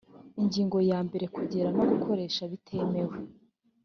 ingingo ya mbere kugera no gukoresha bitemewe